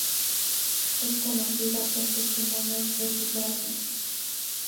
Es conocida por testimonios epigráficos.